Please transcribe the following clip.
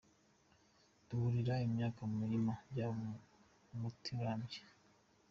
Kuhira imyaka mu mirima byaba umuti urambye.